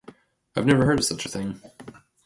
I've never heard of such a thing.